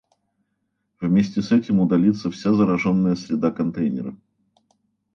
Вместе с этим удалится все зараженная среда контейнера